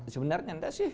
sebenarnya enggak sih